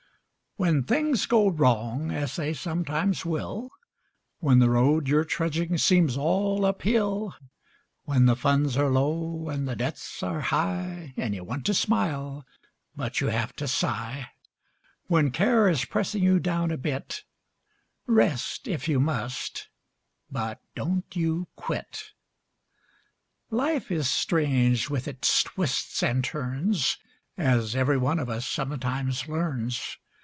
When things go wrong, as they sometimes will, And the road you're trudging seems all up hill, When the funds are low and the debts are high And you want to smile, but you have to sigh, When care is pressing you down a bit, Rest if you must—but don't you quit. Life is queer with its twists and turns, As every one of us sometimes learns.